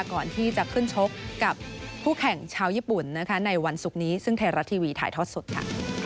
ก่อนที่จะขึ้นชกกับคู่แข่งชาวญี่ปุ่นนะคะในวันศุกร์นี้ซึ่งไทยรัฐทีวีถ่ายทอดสดค่ะ